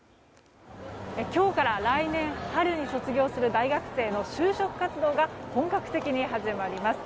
今日から来年春に卒業する就活生の就職活動が本格的に始まります。